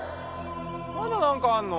まだなんかあんの？